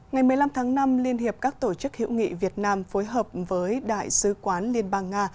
ngày một mươi năm tháng năm liên hiệp các tổ chức hữu nghị việt nam phối hợp với đại sứ quán liên bang nga